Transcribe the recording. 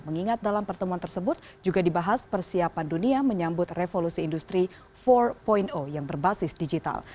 mengingat dalam pertemuan tersebut juga dibahas persiapan dunia menyambut revolusi industri empat yang berbasis digital